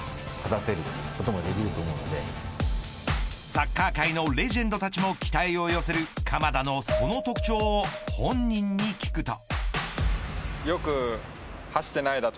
サッカー界のレジェンドたちも期待を寄せる鎌田のその特徴を本人に聞くと。